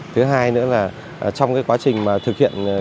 thứ hai nữa là trong cái quá trình thực hiện